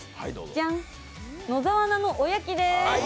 じゃん、野沢菜のおやきです。